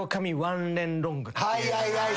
はいはいはい。